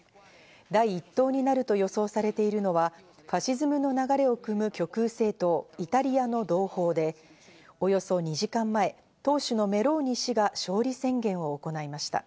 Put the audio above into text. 第一党になると予想されているのはファシズムの流れを組む極右政党「イタリアの同胞」で、およそ２時間前、党首のメローニ氏が勝利宣言を行いました。